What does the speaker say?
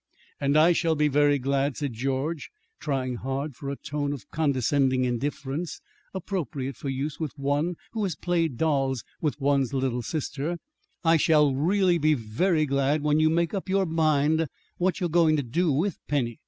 "And I shall be very glad," said George, trying hard for a tone of condescending indifference appropriate for use with one who has played dolls with one's little sister, "I shall really be very glad when you make up your mind what you are going to do with Penny.